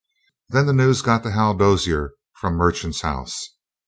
"Then the news got to Hal Dozier from Merchant's house.